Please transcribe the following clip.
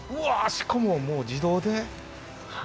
しかももう自動で。